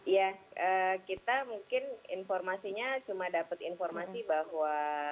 ya kita mungkin informasinya cuma dapat informasi bahwa